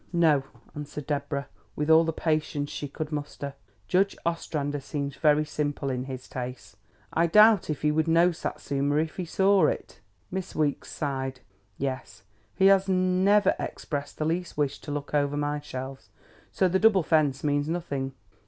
"No," answered Deborah, with all the patience she could muster. "Judge Ostrander seems very simple in his tastes. I doubt if he would know Satsuma if he saw it." Miss Weeks sighed. "Yes, he has never expressed the least wish to look over my shelves. So the double fence means nothing?"